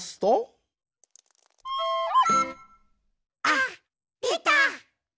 あっでた！